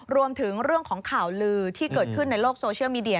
รวมถึงเรื่องของข่าวลือที่เกิดขึ้นในโลกโซเชียลมีเดีย